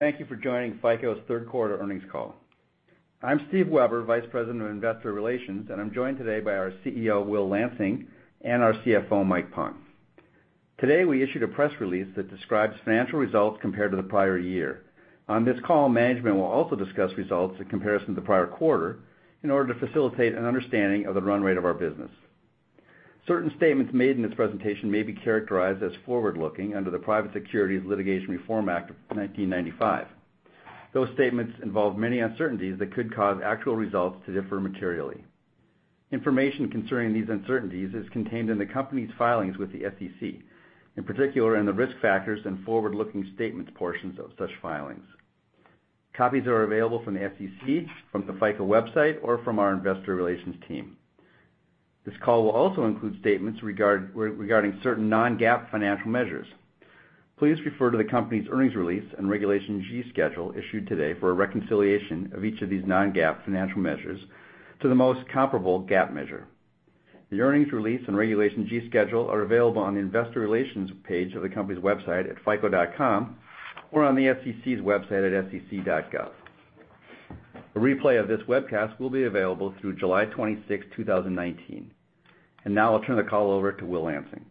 Thank you for joining FICO's third quarter earnings call. I'm Steve Weber, Vice President of Investor Relations, and I'm joined today by our CEO, Will Lansing, and our CFO, Mike Pung. Today, we issued a press release that describes financial results compared to the prior year. On this call, management will also discuss results in comparison to the prior quarter in order to facilitate an understanding of the run rate of our business. Certain statements made in this presentation may be characterized as forward-looking under the Private Securities Litigation Reform Act of 1995. Those statements involve many uncertainties that could cause actual results to differ materially. Information concerning these uncertainties is contained in the company's filings with the SEC, in particular in the risk factors and forward-looking statements portions of such filings. Copies are available from the SEC, from the FICO website or from our investor relations team. This call will also include statements regarding certain non-GAAP financial measures. Please refer to the company's earnings release and Regulation G schedule issued today for a reconciliation of each of these non-GAAP financial measures to the most comparable GAAP measure. The earnings release and Regulation G schedule are available on the investor relations page of the company's website at fico.com or on the SEC's website at sec.gov. A replay of this webcast will be available through July 26, 2019. Now I'll turn the call over to Will Lansing.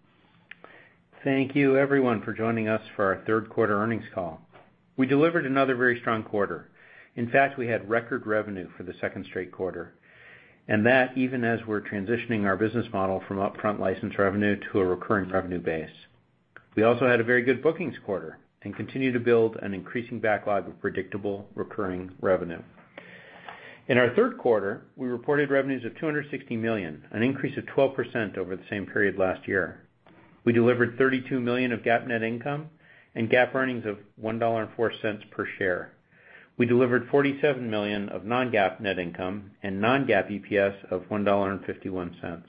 Thank you everyone for joining us for our third quarter earnings call. We delivered another very strong quarter. In fact, we had record revenue for the second straight quarter, even as we're transitioning our business model from upfront license revenue to a recurring revenue base. We also had a very good bookings quarter and continue to build an increasing backlog of predictable recurring revenue. In our third quarter, we reported revenues of $260 million, an increase of 12% over the same period last year. We delivered $32 million of GAAP net income and GAAP earnings of $1.04 per share. We delivered $47 million of non-GAAP net income and non-GAAP EPS of $1.51.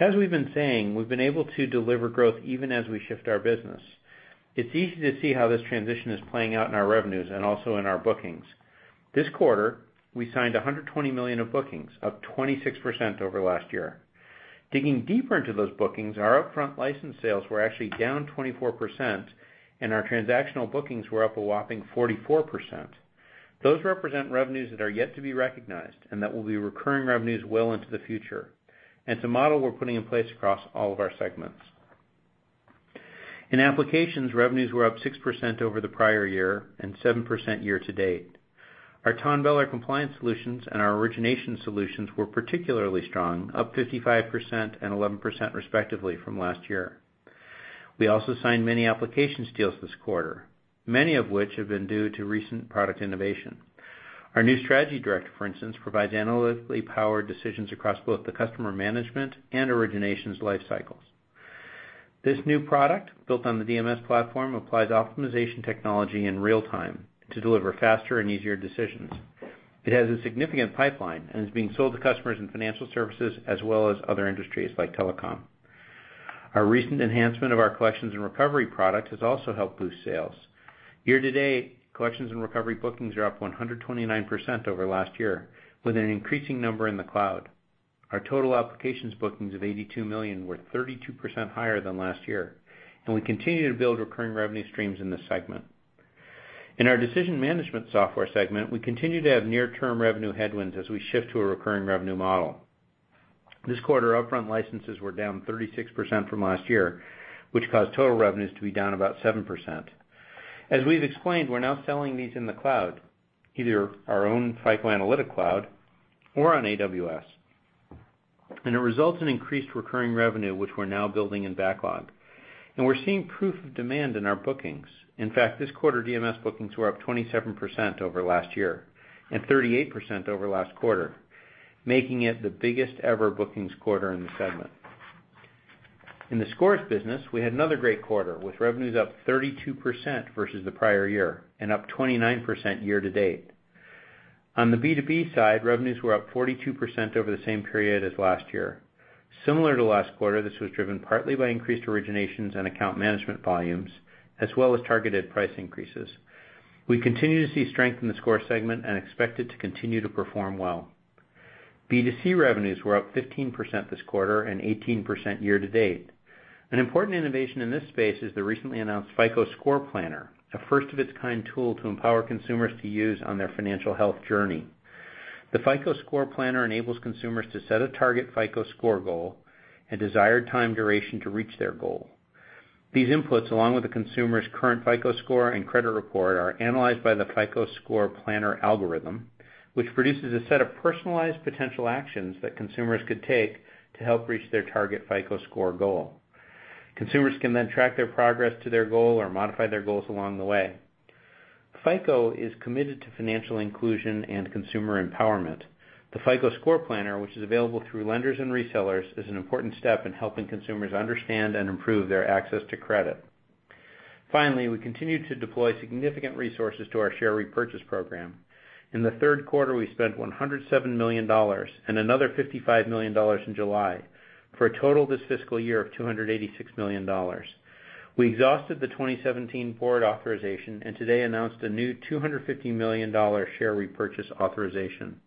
As we've been saying, we've been able to deliver growth even as we shift our business. It's easy to see how this transition is playing out in our revenues and also in our bookings. This quarter, we signed $120 million of bookings, up 26% over last year. Digging deeper into those bookings, our upfront license sales were actually down 24%, and our transactional bookings were up a whopping 44%. Those represent revenues that are yet to be recognized and that will be recurring revenues well into the future, and it's a model we're putting in place across all of our segments. In applications, revenues were up 6% over the prior year and 7% year to date. Our TONBELLER compliance solutions and our origination solutions were particularly strong, up 55% and 11% respectively from last year. We also signed many applications deals this quarter, many of which have been due to recent product innovation. Our new FICO Strategy Director, for instance, provides analytically powered decisions across both the customer management and originations life cycles. This new product, built on the DMS platform, applies optimization technology in real time to deliver faster and easier decisions. It has a significant pipeline and is being sold to customers in financial services as well as other industries like telecom. Our recent enhancement of our Collection and Recovery product has also helped boost sales. Year to date, Collection and Recovery bookings are up 129% over last year, with an increasing number in the cloud. Our total applications bookings of $82 million were 32% higher than last year, and we continue to build recurring revenue streams in this segment. In our decision management software segment, we continue to have near term revenue headwinds as we shift to a recurring revenue model. This quarter, upfront licenses were down 36% from last year, which caused total revenues to be down about 7%. As we've explained, we're now selling these in the cloud, either our own FICO Analytic Cloud or on AWS. It results in increased recurring revenue, which we're now building in backlog. We're seeing proof of demand in our bookings. In fact, this quarter, DMS bookings were up 27% over last year and 38% over last quarter, making it the biggest ever bookings quarter in the segment. In the scores business, we had another great quarter, with revenues up 32% versus the prior year and up 29% year to date. On the B2B side, revenues were up 42% over the same period as last year. Similar to last quarter, this was driven partly by increased originations and account management volumes, as well as targeted price increases. We continue to see strength in the score segment and expect it to continue to perform well. B2C revenues were up 15% this quarter and 18% year to date. An important innovation in this space is the recently announced FICO Score Planner, a first of its kind tool to empower consumers to use on their financial health journey. The FICO Score Planner enables consumers to set a target FICO Score goal and desired time duration to reach their goal. These inputs, along with the consumer's current FICO Score and credit report, are analyzed by the FICO Score Planner algorithm, which produces a set of personalized potential actions that consumers could take to help reach their target FICO Score goal. Consumers can then track their progress to their goal or modify their goals along the way. FICO is committed to financial inclusion and consumer empowerment. The FICO Score Planner, which is available through lenders and resellers, is an important step in helping consumers understand and improve their access to credit. Finally, we continue to deploy significant resources to our share repurchase program. In the third quarter, we spent $107 million and another $55 million in July, for a total this fiscal year of $286 million. We exhausted the 2017 board authorization and today announced a new $250 million share repurchase authorization.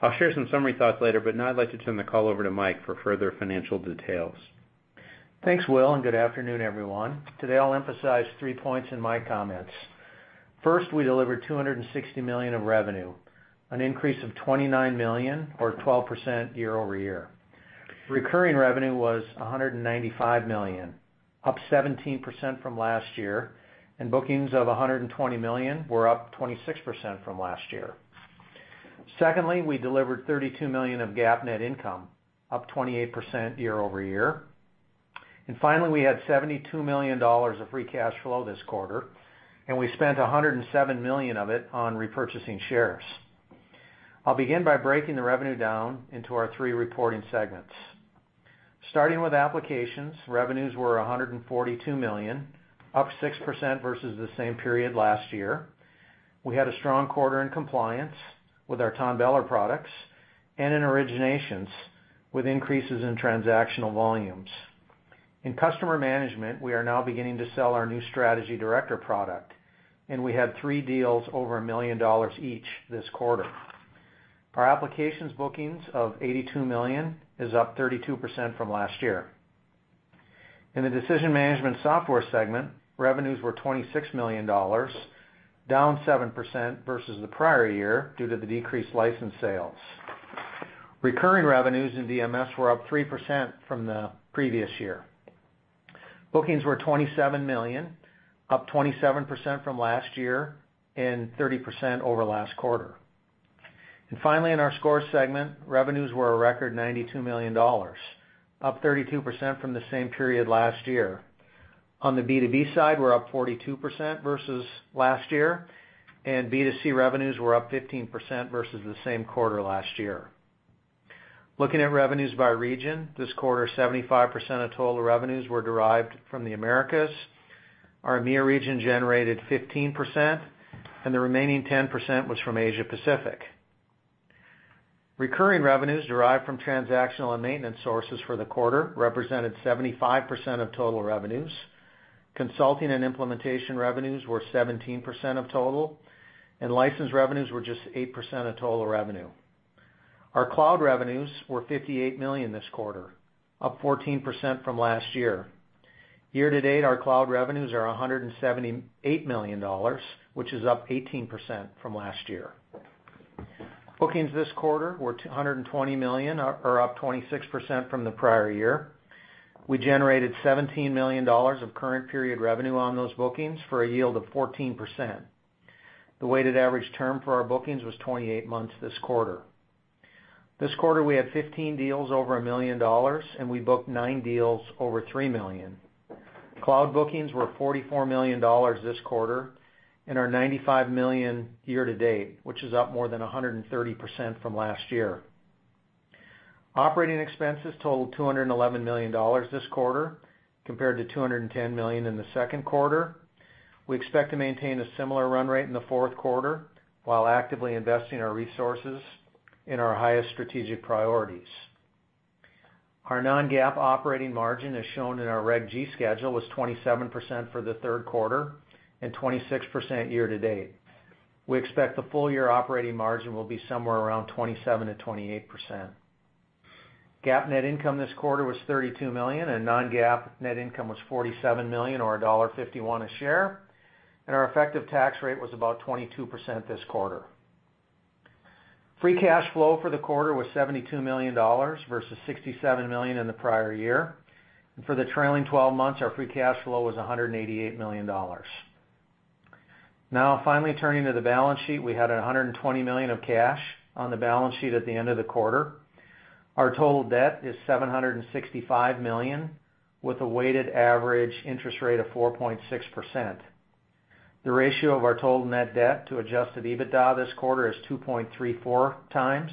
I'll share some summary thoughts later, but now I'd like to turn the call over to Mike for further financial details. Thanks, Will, good afternoon, everyone. Today, I'll emphasize three points in my comments. First, we delivered $260 million of revenue, an increase of $29 million or 12% year-over-year. Recurring revenue was $195 million, up 17% from last year, bookings of $120 million were up 26% from last year. Secondly, we delivered $32 million of GAAP net income, up 28% year-over-year. Finally, we had $72 million of free cash flow this quarter, we spent $107 million of it on repurchasing shares. I'll begin by breaking the revenue down into our three reporting segments. Starting with applications, revenues were $142 million, up 6% versus the same period last year. We had a strong quarter in compliance with our TONBELLER products and in originations with increases in transactional volumes. In customer management, we are now beginning to sell our new FICO Strategy Director product, we had three deals over $1 million each this quarter. Our applications bookings of $82 million is up 32% from last year. In the decision management software segment, revenues were $26 million, down 7% versus the prior year due to the decreased license sales. Recurring revenues in DMS were up 3% from the previous year. Bookings were $27 million, up 27% from last year and 30% over last quarter. Finally, in our scores segment, revenues were a record $92 million, up 32% from the same period last year. On the B2B side, we're up 42% versus last year, B2C revenues were up 15% versus the same quarter last year. Looking at revenues by region this quarter, 75% of total revenues were derived from the Americas. Our EMEA region generated 15%, the remaining 10% was from Asia-Pacific. Recurring revenues derived from transactional and maintenance sources for the quarter represented 75% of total revenues. Consulting and implementation revenues were 17% of total, license revenues were just 8% of total revenue. Our cloud revenues were $58 million this quarter, up 14% from last year. Year-to-date, our cloud revenues are $178 million, which is up 18% from last year. Bookings this quarter were $120 million or up 26% from the prior year. We generated $17 million of current period revenue on those bookings for a yield of 14%. The weighted average term for our bookings was 28 months this quarter. This quarter, we had 15 deals over $1 million, we booked nine deals over $3 million. Cloud bookings were $44 million this quarter and are $95 million year-to-date, which is up more than 130% from last year. Operating expenses totaled $211 million this quarter, compared to $210 million in the second quarter. We expect to maintain a similar run rate in the fourth quarter while actively investing our resources in our highest strategic priorities. Our non-GAAP operating margin, as shown in our Reg G schedule, was 27% for the third quarter and 26% year-to-date. We expect the full-year operating margin will be somewhere around 27%-28%. GAAP net income this quarter was $32 million, non-GAAP net income was $47 million or $1.51 a share, our effective tax rate was about 22% this quarter. Free cash flow for the quarter was $72 million versus $67 million in the prior year. For the trailing 12 months, our free cash flow was $188 million. Finally, turning to the balance sheet. We had $120 million of cash on the balance sheet at the end of the quarter. Our total debt is $765 million with a weighted average interest rate of 4.6%. The ratio of our total net debt to adjusted EBITDA this quarter is 2.34 times,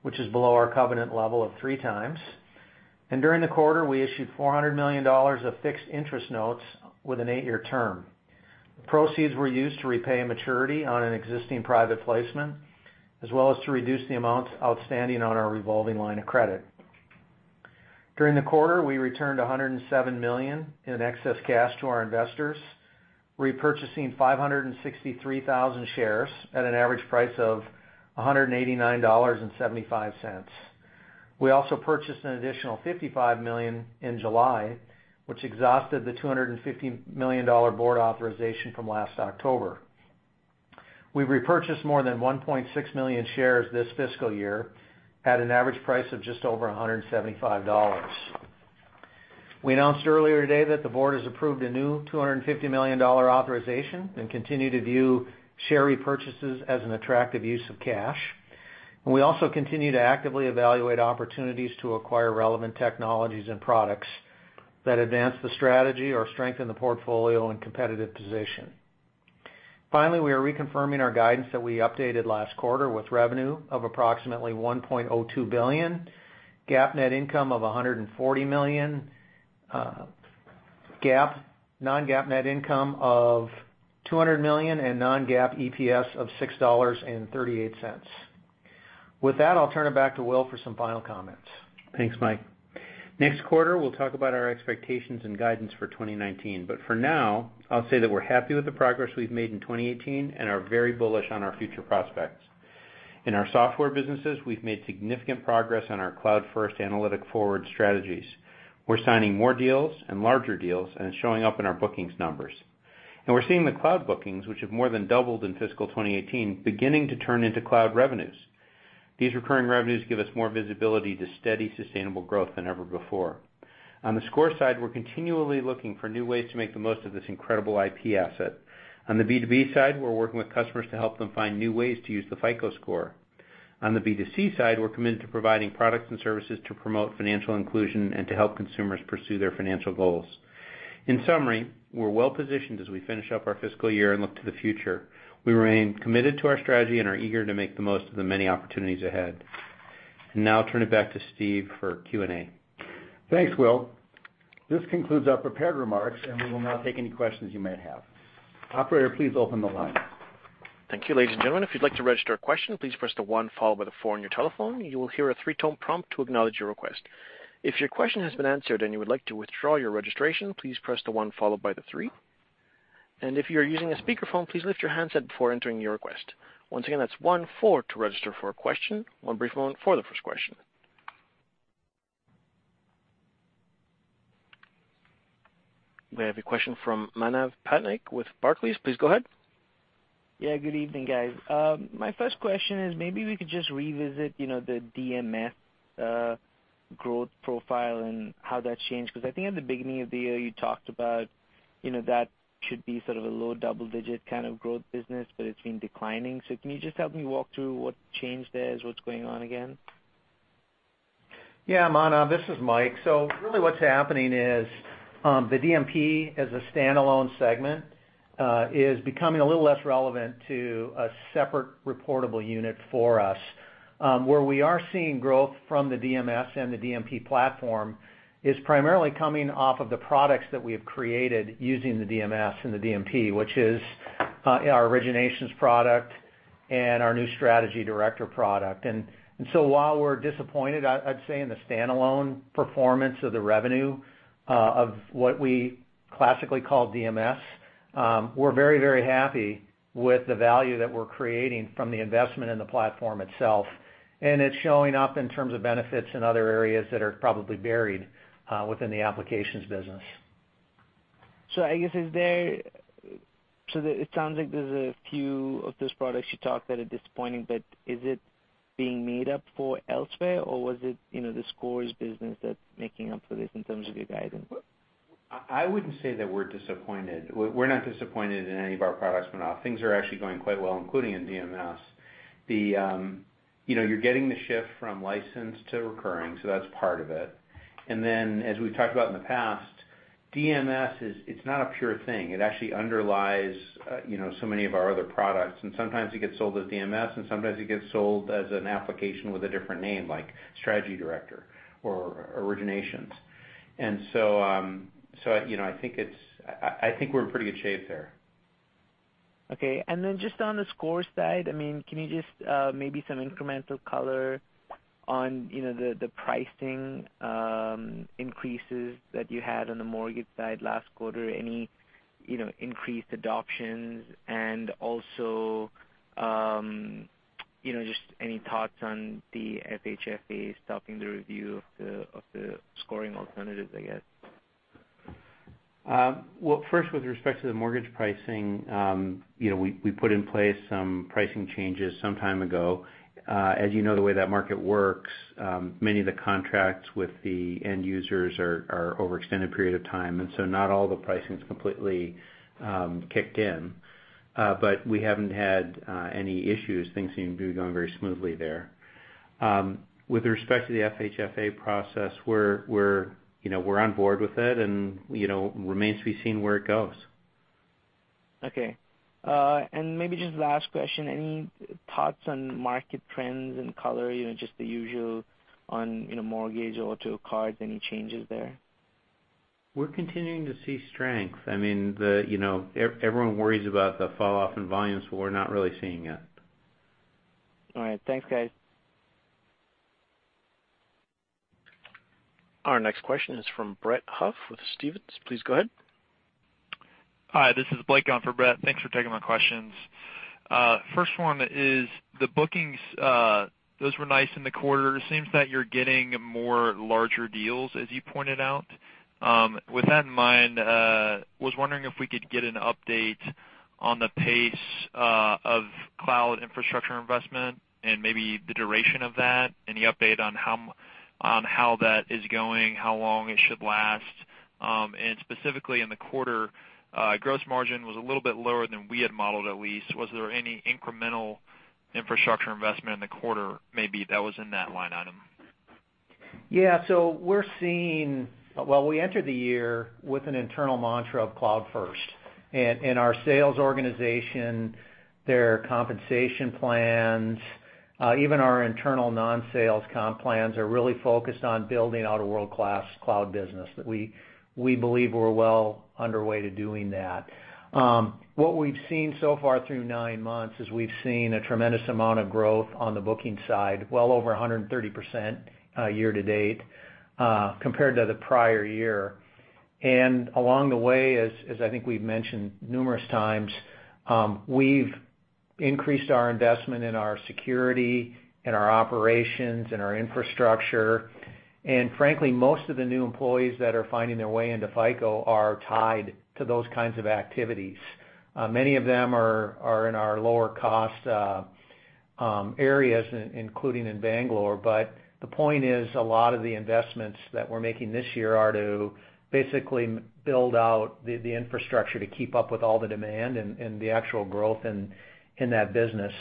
which is below our covenant level of 3 times. During the quarter, we issued $400 million of fixed interest notes with an 8-year term. The proceeds were used to repay maturity on an existing private placement, as well as to reduce the amounts outstanding on our revolving line of credit. During the quarter, we returned $107 million in excess cash to our investors, repurchasing 563,000 shares at an average price of $189.75. We also purchased an additional $55 million in July, which exhausted the $250 million board authorization from last October. We repurchased more than 1.6 million shares this fiscal year at an average price of just over $175. We announced earlier today that the board has approved a new $250 million authorization and continue to view share repurchases as an attractive use of cash. We also continue to actively evaluate opportunities to acquire relevant technologies and products that advance the strategy or strengthen the portfolio and competitive position. Finally, we are reconfirming our guidance that we updated last quarter with revenue of approximately $1.02 billion, GAAP net income of $140 million, non-GAAP net income of $200 million and non-GAAP EPS of $6.38. With that, I'll turn it back to Will for some final comments. Thanks, Mike. Next quarter, we'll talk about our expectations and guidance for 2019. For now, I'll say that we're happy with the progress we've made in 2018 and are very bullish on our future prospects. In our software businesses, we've made significant progress on our cloud first analytic forward strategies. We're signing more deals and larger deals, and it's showing up in our bookings numbers. We're seeing the cloud bookings, which have more than doubled in fiscal 2018, beginning to turn into cloud revenues. These recurring revenues give us more visibility to steady, sustainable growth than ever before. On the score side, we're continually looking for new ways to make the most of this incredible IP asset. On the B2B side, we're working with customers to help them find new ways to use the FICO Score. On the B2C side, we're committed to providing products and services to promote financial inclusion and to help consumers pursue their financial goals. In summary, we're well-positioned as we finish up our fiscal year and look to the future. We remain committed to our strategy and are eager to make the most of the many opportunities ahead. Now I'll turn it back to Steve for Q&A. Thanks, Will. This concludes our prepared remarks. We will now take any questions you may have. Operator, please open the line. Thank you, ladies and gentlemen. If you'd like to register a question, please press the one followed by the four on your telephone. You will hear a 3-tone prompt to acknowledge your request. If your question has been answered and you would like to withdraw your registration, please press the one followed by the three. If you're using a speakerphone, please lift your handset before entering your request. Once again, that's one, four to register for a question. One brief moment for the first question. We have a question from Manav Patnaik with Barclays. Please go ahead. Yeah, good evening, guys. My first question is maybe we could just revisit the DMS growth profile and how that's changed, because I think at the beginning of the year you talked about that should be sort of a low double-digit kind of growth business, but it's been declining. Can you just help me walk through what changed there, what's going on again? Yeah, Manav, this is Mike. Really what's happening is the DMP as a standalone segment is becoming a little less relevant to a separate reportable unit for us. Where we are seeing growth from the DMS and the DMP platform is primarily coming off of the products that we have created using the DMS and the DMP, which is our originations product and our new Strategy Director product. While we're disappointed, I'd say, in the standalone performance of the revenue of what we classically call DMS, we're very happy with the value that we're creating from the investment in the platform itself, and it's showing up in terms of benefits in other areas that are probably buried within the applications business. It sounds like there's a few of those products you talked that are disappointing, but is it being made up for elsewhere, or was it the scores business that's making up for this in terms of your guidance? I wouldn't say that we're disappointed. We're not disappointed in any of our products, Manav. Things are actually going quite well, including in DMS. You're getting the shift from licensed to recurring, so that's part of it. As we've talked about in the past, DMS is not a pure thing. It actually underlies so many of our other products, and sometimes it gets sold as DMS, and sometimes it gets sold as an application with a different name, like Strategy Director or Originations. I think we're in pretty good shape there. Just on the scores side, can you just maybe some incremental color on the pricing increases that you had on the mortgage side last quarter? Any increased adoptions? Also, just any thoughts on the FHFA stopping the review of the scoring alternatives, I guess? First, with respect to the mortgage pricing, we put in place some pricing changes some time ago. As you know, the way that market works, many of the contracts with the end users are over extended period of time, and so not all the pricing's completely kicked in. We haven't had any issues. Things seem to be going very smoothly there. With respect to the FHFA process, we're on board with it, and remains to be seen where it goes. Okay. Maybe just last question, any thoughts on market trends and color, just the usual on mortgage or to cards, any changes there? We're continuing to see strength. Everyone worries about the fall off in volumes, but we're not really seeing it. All right. Thanks, guys. Our next question is from Brett Huff with Stephens. Please go ahead. Hi, this is Blake on for Brett. Thanks for taking my questions. First one is the bookings. Those were nice in the quarter. It seems that you're getting more larger deals, as you pointed out. With that in mind, was wondering if we could get an update on the pace of cloud infrastructure investment and maybe the duration of that. Any update on how that is going, how long it should last? Specifically in the quarter, gross margin was a little bit lower than we had modeled, at least. Was there any incremental infrastructure investment in the quarter, maybe that was in that line item? We entered the year with an internal mantra of cloud first. Our sales organization, their compensation plans, even our internal non-sales comp plans are really focused on building out a world-class cloud business. We believe we're well underway to doing that. What we've seen so far through nine months is we've seen a tremendous amount of growth on the booking side, well over 130% year-to-date compared to the prior year. Along the way, as I think we've mentioned numerous times, we've increased our investment in our security, in our operations, in our infrastructure. Frankly, most of the new employees that are finding their way into FICO are tied to those kinds of activities. Many of them are in our lower cost areas, including in Bangalore. The point is, a lot of the investments that we're making this year are to basically build out the infrastructure to keep up with all the demand and the actual growth in that business.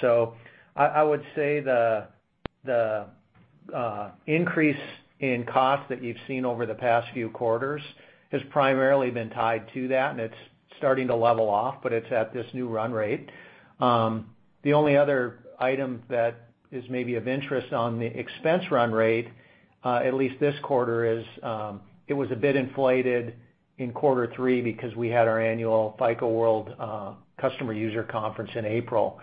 I would say the increase in cost that you've seen over the past few quarters has primarily been tied to that, and it's starting to level off, but it's at this new run rate. The only other item that is maybe of interest on the expense run rate, at least this quarter, is it was a bit inflated in quarter three because we had our annual FICO World Customer User Conference in April.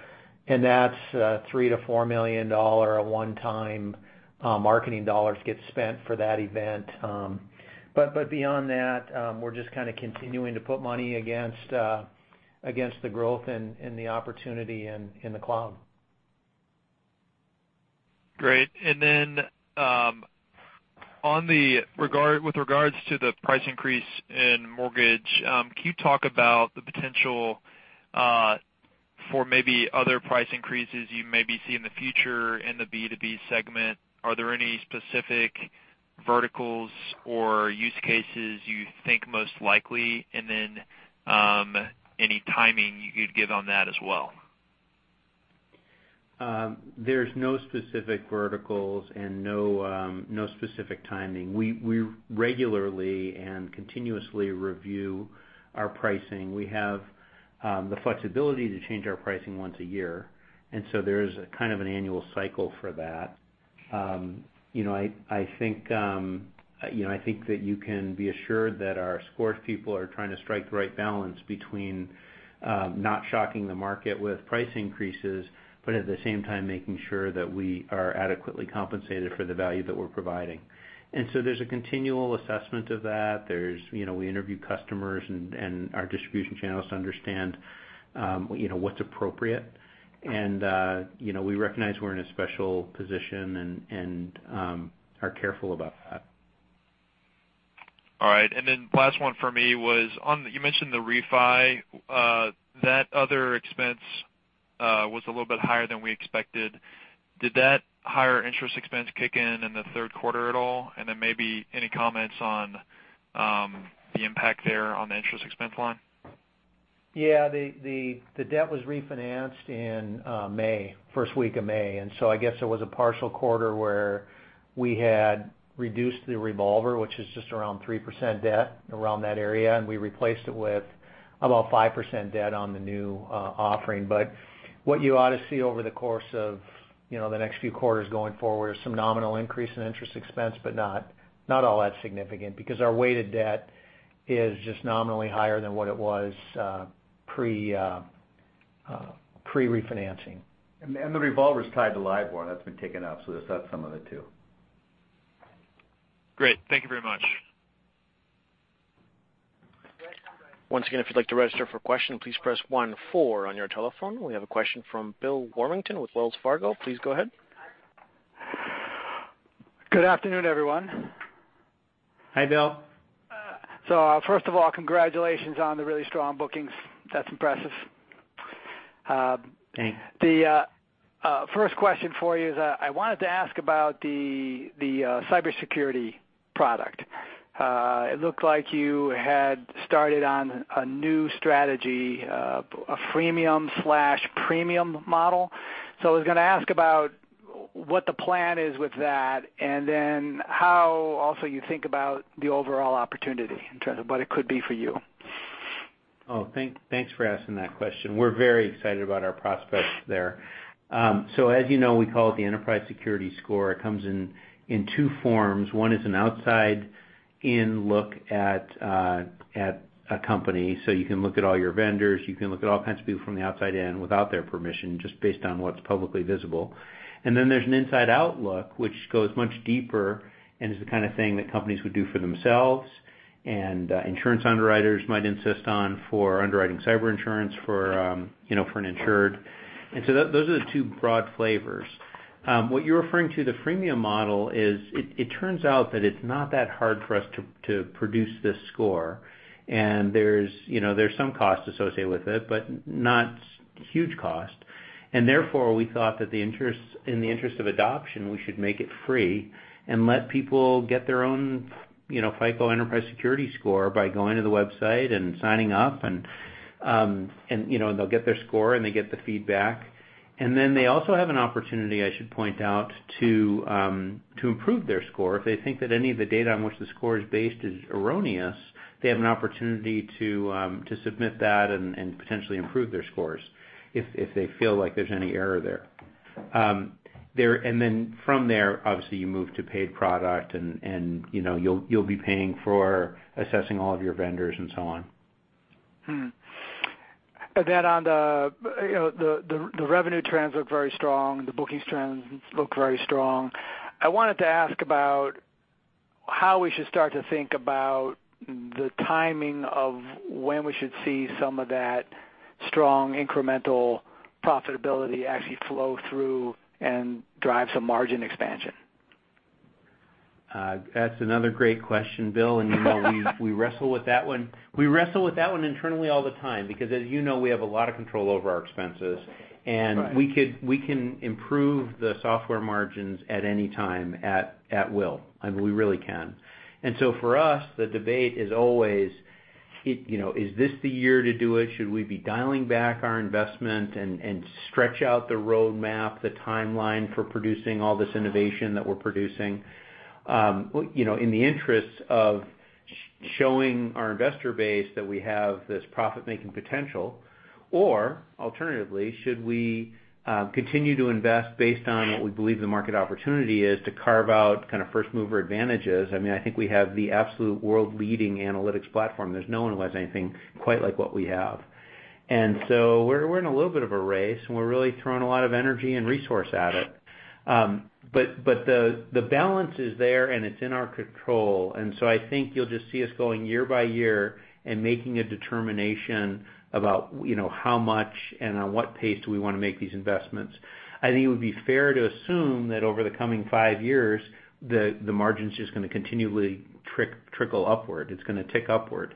That's $3 million-$4 million of one-time marketing dollars get spent for that event. Beyond that, we're just kind of continuing to put money against the growth and the opportunity in the cloud. Great. With regards to the price increase in mortgage, can you talk about the potential for maybe other price increases you may be seeing in the future in the B2B segment? Are there any specific verticals or use cases you think most likely? Any timing you'd give on that as well? There's no specific verticals and no specific timing. We regularly and continuously review our pricing. We have the flexibility to change our pricing once a year, there's kind of an annual cycle for that. I think that you can be assured that our scores people are trying to strike the right balance between not shocking the market with price increases, but at the same time making sure that we are adequately compensated for the value that we're providing. There's a continual assessment of that. We interview customers and our distribution channels to understand what's appropriate. We recognize we're in a special position and are careful about that. All right. Last one for me was, you mentioned the refi. That other expense was a little bit higher than we expected. Did that higher interest expense kick in in the third quarter at all? Maybe any comments on the impact there on the interest expense line? Yeah. The debt was refinanced in May, first week of May. I guess it was a partial quarter where we had reduced the revolver, which is just around 3% debt, around that area, and we replaced it with about 5% debt on the new offering. What you ought to see over the course of the next few quarters going forward is some nominal increase in interest expense, but not all that significant because our weighted debt is just nominally higher than what it was pre-refinancing. The revolver's tied to Libor, and that's been taken out, so that's some of it, too. Great. Thank you very much. Once again, if you'd like to register for a question, please press one, four on your telephone. We have a question from Bill Warmington with Wells Fargo. Please go ahead. Good afternoon, everyone. Hi, Bill. First of all, congratulations on the really strong bookings. That's impressive. Thanks. The first question for you is I wanted to ask about the cybersecurity product. It looked like you had started on a new strategy, a freemium/premium model. I was going to ask about what the plan is with that, and then how also you think about the overall opportunity in terms of what it could be for you. Oh, thanks for asking that question. We're very excited about our prospects there. As you know, we call it the Enterprise Security Score. It comes in two forms. One is an outside-in look at a company. You can look at all your vendors, you can look at all kinds of people from the outside in without their permission, just based on what's publicly visible. Then there's an inside outlook, which goes much deeper and is the kind of thing that companies would do for themselves and insurance underwriters might insist on for underwriting cyber insurance for an insured. Those are the two broad flavors. What you're referring to, the freemium model, is it turns out that it's not that hard for us to produce this score. There's some cost associated with it, but not huge cost. Therefore, we thought that in the interest of adoption, we should make it free and let people get their own FICO Enterprise Security Score by going to the website and signing up. They'll get their score, and they get the feedback. Then they also have an opportunity, I should point out, to improve their score. If they think that any of the data on which the score is based is erroneous, they have an opportunity to submit that and potentially improve their scores if they feel like there's any error there. Then from there, obviously you move to paid product, and you'll be paying for assessing all of your vendors and so on. On the revenue trends look very strong, the bookings trends look very strong. I wanted to ask about how we should start to think about the timing of when we should see some of that strong incremental profitability actually flow through and drive some margin expansion. That's another great question, Bill. We wrestle with that one internally all the time because, as you know, we have a lot of control over our expenses. Right. We can improve the software margins at any time, at will. We really can. For us, the debate is always, is this the year to do it? Should we be dialing back our investment and stretch out the roadmap, the timeline for producing all this innovation that we're producing, in the interest of showing our investor base that we have this profit-making potential? Alternatively, should we continue to invest based on what we believe the market opportunity is to carve out first-mover advantages? I think we have the absolute world-leading analytics platform. There's no one who has anything quite like what we have. We're in a little bit of a race, and we're really throwing a lot of energy and resource at it. The balance is there, and it's in our control. I think you'll just see us going year by year and making a determination about how much and on what pace do we want to make these investments. I think it would be fair to assume that over the coming five years, the margin's just going to continually trickle upward. It's going to tick upward.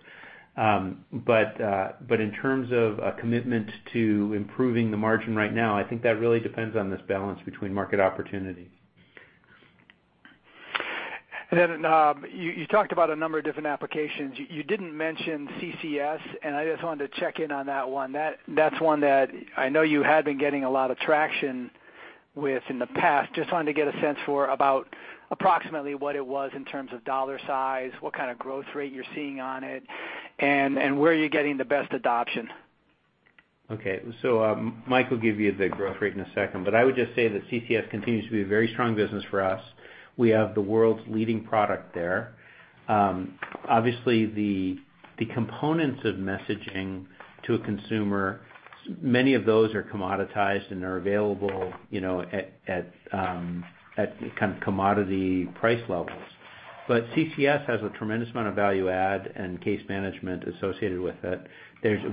In terms of a commitment to improving the margin right now, I think that really depends on this balance between market opportunities. You talked about a number of different applications. You didn't mention CCS, and I just wanted to check in on that one. That's one that I know you had been getting a lot of traction with in the past. Just wanted to get a sense for about approximately what it was in terms of dollar size, what kind of growth rate you're seeing on it, and where you're getting the best adoption. Okay. Mike will give you the growth rate in a second, but I would just say that CCS continues to be a very strong business for us. We have the world's leading product there. Obviously, the components of messaging to a consumer, many of those are commoditized and are available at commodity price levels. CCS has a tremendous amount of value add and case management associated with it.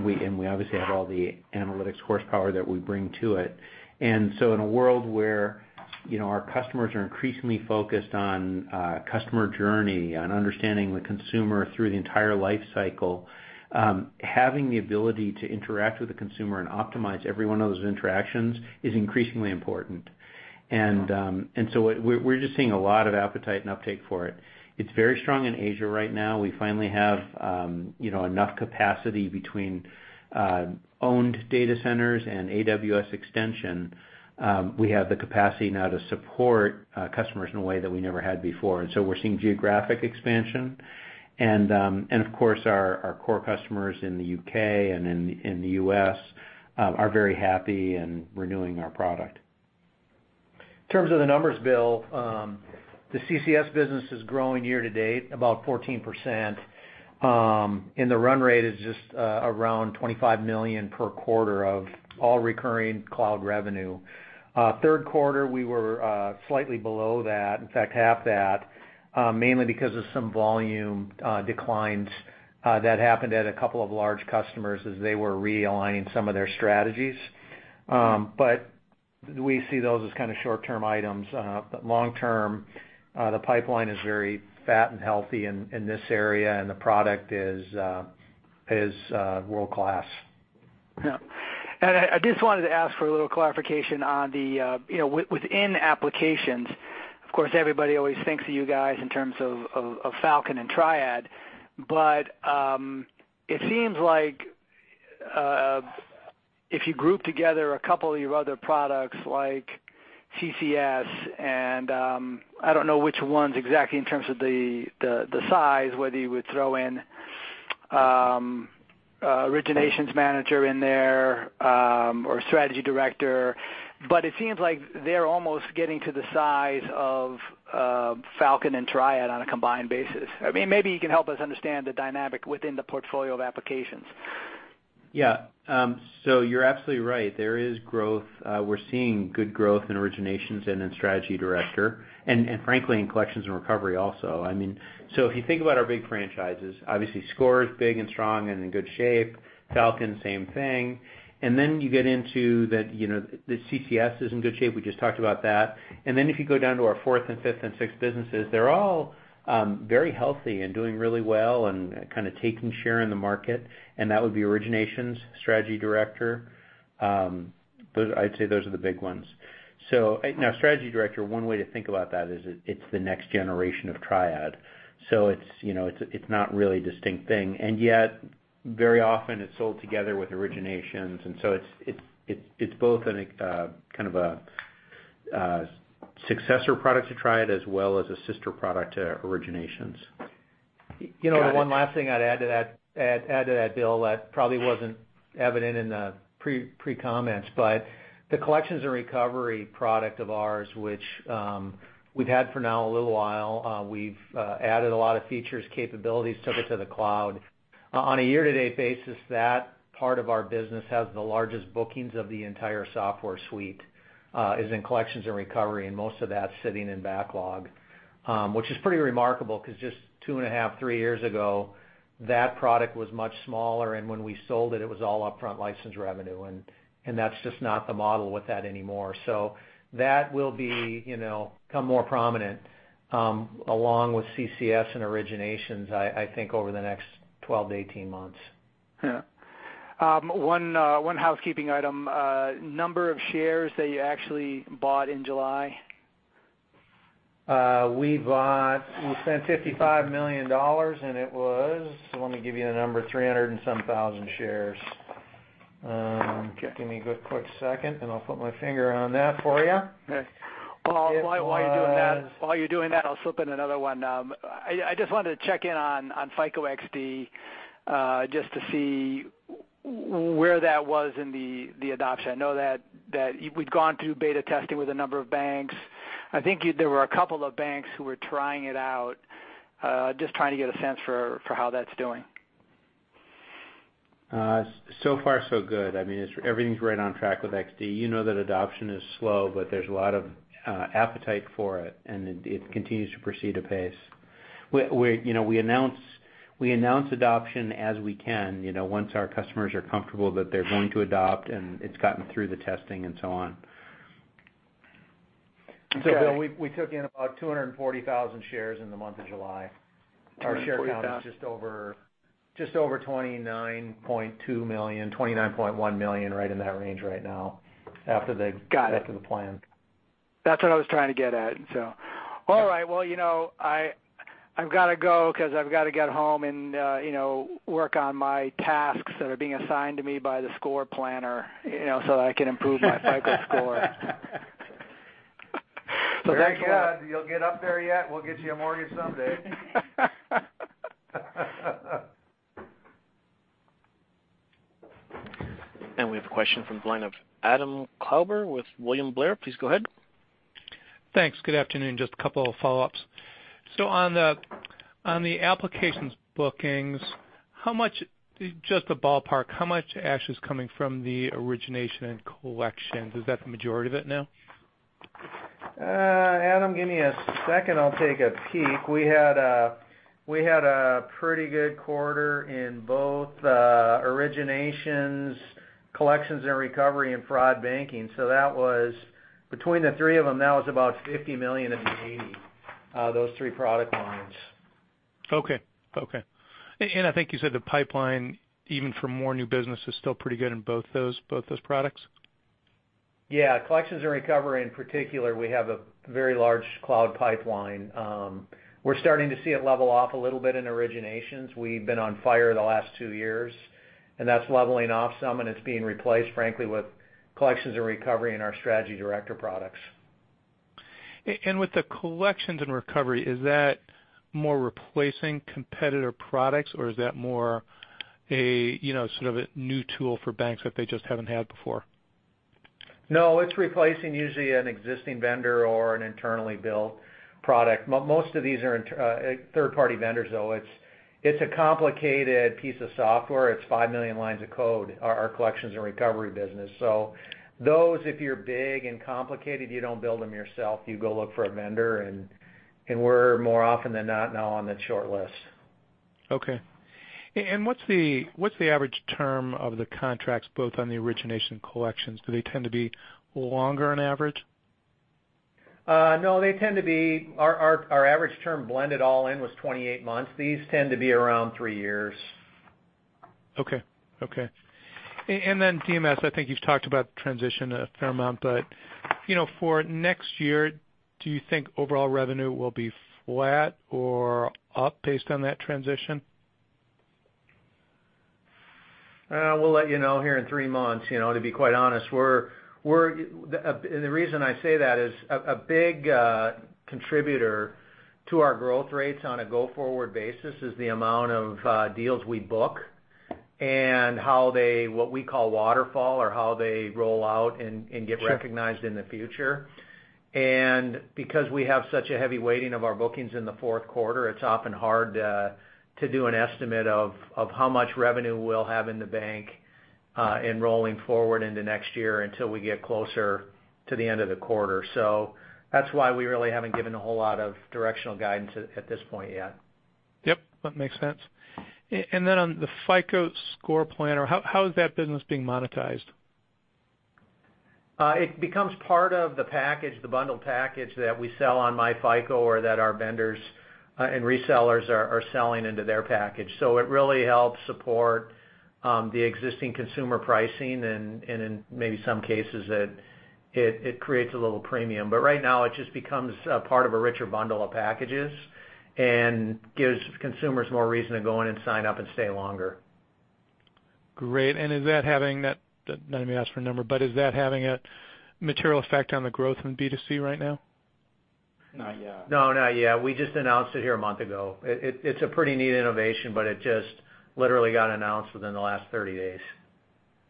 We obviously have all the analytics horsepower that we bring to it. In a world where our customers are increasingly focused on customer journey, on understanding the consumer through the entire life cycle, having the ability to interact with the consumer and optimize every one of those interactions is increasingly important. We're just seeing a lot of appetite and uptake for it. It's very strong in Asia right now. We finally have enough capacity between owned data centers and AWS extension. We have the capacity now to support customers in a way that we never had before. We're seeing geographic expansion. Of course, our core customers in the U.K. and in the U.S. are very happy and renewing our product. In terms of the numbers, Bill, the CCS business is growing year to date about 14%, and the run rate is just around $25 million per quarter of all recurring cloud revenue. Third quarter, we were slightly below that, in fact, half that, mainly because of some volume declines that happened at a couple of large customers as they were realigning some of their strategies. We see those as short-term items. Long-term, the pipeline is very fat and healthy in this area, and the product is world-class. Yeah. I just wanted to ask for a little clarification. Within applications, of course, everybody always thinks of you guys in terms of Falcon and TRIAD. It seems like if you group together a couple of your other products like CCS, I don't know which ones exactly in terms of the size, whether you would throw in Origination Manager in there, or Strategy Director, it seems like they're almost getting to the size of Falcon and TRIAD on a combined basis. Maybe you can help us understand the dynamic within the portfolio of applications. Yeah. You're absolutely right. There is growth. We're seeing good growth in Originations and in Strategy Director and frankly, in Collection and Recovery also. If you think about our big franchises, obviously, Score is big and strong and in good shape. Falcon, same thing. Then you get into the CCS is in good shape. We just talked about that. Then if you go down to our fourth and fifth and sixth businesses, they're all very healthy and doing really well and taking share in the market. That would be Originations, Strategy Director. I'd say those are the big ones. Strategy Director, one way to think about that is it's the next generation of TRIAD. It's not really a distinct thing. Yet, very often it's sold together with Originations. It's both a successor product to TRIAD, as well as a sister product to Originations. Got it. The one last thing I'd add to that, Bill, that probably wasn't evident in the pre-comments. The Collection and Recovery product of ours, which we've had for now a little while, we've added a lot of features, capabilities, took it to the cloud. On a year-to-date basis, that part of our business has the largest bookings of the entire software suite, is in Collection and Recovery, and most of that's sitting in backlog. Which is pretty remarkable because just two and a half, three years ago, that product was much smaller, and when we sold it was all upfront license revenue. That's just not the model with that anymore. That will become more prominent, along with CCS and originations, I think over the next 12 to 18 months. Yeah. One housekeeping item. Number of shares that you actually bought in July? We spent $55 million, it was, let me give you a number, 300 and some thousand shares. Okay. Give me a good quick second, I'll put my finger on that for you. Okay. While you're doing that, I'll slip in another one. I just wanted to check in on FICO XD, just to see where that was in the adoption. I know that we'd gone through beta testing with a number of banks. I think there were a couple of banks who were trying it out. Just trying to get a sense for how that's doing. So far, so good. Everything's right on track with XD. You know that adoption is slow. There's a lot of appetite for it, and it continues to proceed at pace. We announce adoption as we can, once our customers are comfortable that they're going to adopt and it's gotten through the testing and so on. Bill, we took in about 240,000 shares in the month of July. 240,000. Our share count is just over 29.2 million, 29.1 million, right in that range right now after the- Got it after the plan. That's what I was trying to get at. All right. Well, I've got to go because I've got to get home and work on my tasks that are being assigned to me by the Score Planner so that I can improve my FICO Score. Thanks a lot. Very good. You'll get up there yet. We'll get you a mortgage someday. We have a question from the line of Adam Klauber with William Blair. Please go ahead. Thanks. Good afternoon. Just two follow-ups. On the applications bookings, just the ballpark, how much, actually, is coming from the origination and collections? Is that the majority of it now? Adam, give me a second. I'll take a peek. We had a pretty good quarter in both originations, Collection and Recovery, and fraud banking. Between the three of them, that was about $50 million of the $80 million, those three product lines. Okay. I think you said the pipeline, even for more new business, is still pretty good in both those products? Yeah. Collection and Recovery in particular, we have a very large cloud pipeline. We're starting to see it level off a little bit in originations. We've been on fire the last two years, and that's leveling off some, and it's being replaced, frankly, with Collection and Recovery and our Strategy Director products. With the Collection and Recovery, is that more replacing competitor products, or is that more a sort of a new tool for banks that they just haven't had before? No, it's replacing usually an existing vendor or an internally built product. Most of these are third-party vendors, though. It's a complicated piece of software. It's 5 million lines of code, our Collection and Recovery business. Those, if you're big and complicated, you don't build them yourself. You go look for a vendor, and we're more often than not now on the short list. Okay. What's the average term of the contracts both on the origination and collections? Do they tend to be longer on average? No. Our average term blended all in was 28 months. These tend to be around three years. Okay. DMS, I think you've talked about the transition a fair amount, for next year, do you think overall revenue will be flat or up based on that transition? We'll let you know here in three months, to be quite honest. The reason I say that is a big contributor to our growth rates on a go-forward basis is the amount of deals we book and what we call waterfall or how they roll out and get recognized in the future. Because we have such a heavy weighting of our bookings in the fourth quarter, it's often hard to do an estimate of how much revenue we'll have in the bank and rolling forward into next year until we get closer to the end of the quarter. That's why we really haven't given a whole lot of directional guidance at this point yet. Yep, that makes sense. On the FICO Score Planner, how is that business being monetized? It becomes part of the package, the bundled package that we sell on myFICO or that our vendors and resellers are selling into their package. It really helps support the existing consumer pricing and in maybe some cases, it creates a little premium. Right now, it just becomes a part of a richer bundle of packages and gives consumers more reason to go in and sign up and stay longer. Great. Is that having a material effect on the growth in B2C right now? Not yet. No, not yet. We just announced it here a month ago. It's a pretty neat innovation, but it just literally got announced within the last 30 days.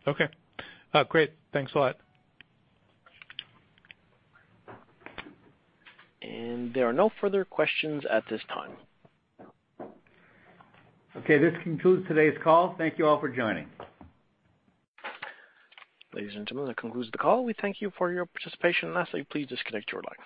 Okay. Great. Thanks a lot. There are no further questions at this time. Okay. This concludes today's call. Thank you all for joining. Ladies and gentlemen, that concludes the call. We thank you for your participation. Lastly, please disconnect your lines.